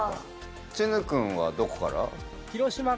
チヌ君はどこから？